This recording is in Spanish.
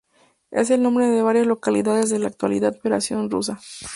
Es el nombre de varias localidades de la actual Federación Rusa.